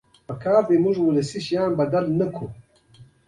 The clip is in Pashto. د اسلام دین موږ زړه سوي ته رابولي